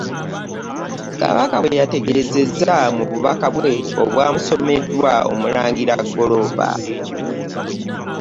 Kabaka bwe yategeezezza mu bubaka bwe obwamusomeddwa omulangira Ggolooba